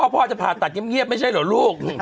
พ่อจะผ่าตัดเงียบไม่ใช่เหรอลูก